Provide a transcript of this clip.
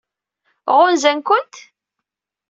Ɣunzan-kent?